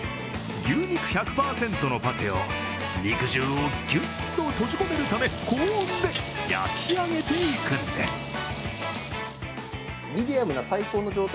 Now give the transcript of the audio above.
牛肉１００％のパテを肉汁をぎゅっと閉じ込めるため高温で焼き上げていくんです。